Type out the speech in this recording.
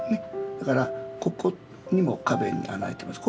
だからここにも壁に穴が開いてます。